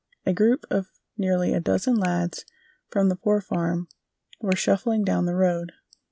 A group of nearly a dozen lads from the Poor Farm were shuffling down the road.